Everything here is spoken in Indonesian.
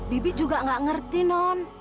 bibi juga nggak ngerti non